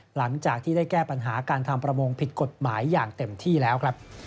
หลังจากที่ได้แก้ปัญหาการทำประมงผิดกฎหมายอย่างเต็มที่แล้วครับ